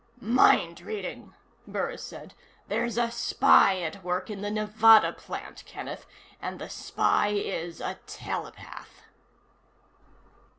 "Mind reading," Burris said. "There's a spy at work in the Nevada plant, Kenneth. And the spy is a telepath."